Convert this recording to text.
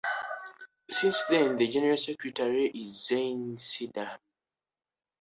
Since then, the General Secretary is Zain Sidahmed.